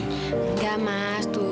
enggak mas tuh